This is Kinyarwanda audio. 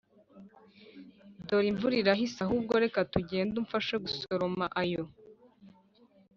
dore imvura irahise, ahubwo reka tugende umfashe gusoroma ayo